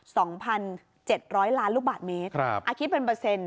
สองพันเจ็ดร้อยล้านลูกบาทเมตรครับอ่าคิดเป็นเปอร์เซ็นต